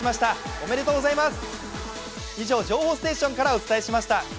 おめでとうございます。